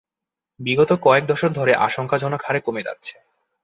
বিগত কয়েক দশক ধরে আশঙ্কাজনক হারে কমে যাচ্ছে।